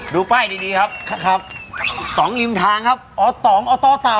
ดูป้ายดีครับครับสองรีมทางครับต่อตาว